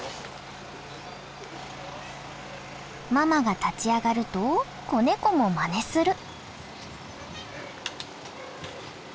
ママが立ち上がると子ネコもまねする。